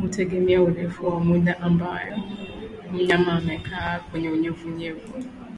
Hutegemea urefu wa muda ambao mnyama amekaa kwenye unyevunyevu